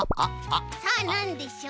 さあなんでしょう？